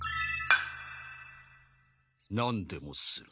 何でもする。